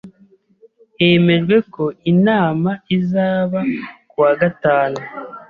Hemejwe ko inama izaba ku wa gatanu.